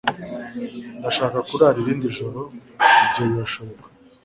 Ndashaka kurara irindi joro Ibyo birashoboka